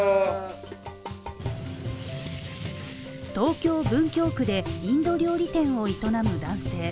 東京・文京区でインド料理店を営む男性。